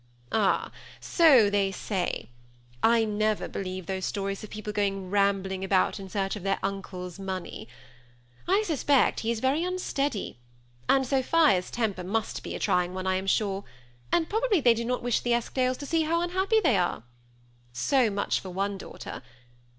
" Ah ! so they say ; I never believe those stories of people going rambling about in search of their uncle's money. I suspect he is very unsteady, and Sophia's temper must be a trying one, I am sure ; and probably they do not wish the Eskdales to see how unhappy they are. So much for one daughter.